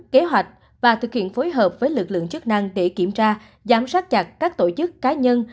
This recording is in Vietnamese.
kế hoạch và thực hiện phối hợp với lực lượng chức năng để kiểm tra giám sát chặt các tổ chức cá nhân